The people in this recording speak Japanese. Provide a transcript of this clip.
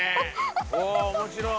お面白い。